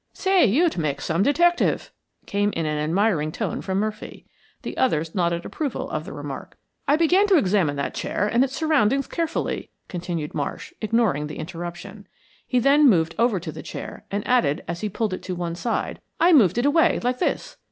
"Say, you'd make some detective!" came in an admiring tone from Murphy. The others nodded approval of the remark. "I began to examine that chair and its surroundings carefully," continued Marsh, ignoring the interruption. He then moved over to the chair, and added, as he pulled it to one side, "I moved it away like this.